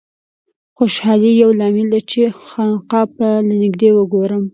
د خوشالۍ یو لامل دا و چې خانقاه به له نږدې وګورم.